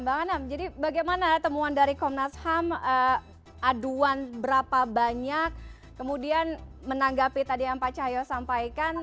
bang anam jadi bagaimana temuan dari komnas ham aduan berapa banyak kemudian menanggapi tadi yang pak cahyo sampaikan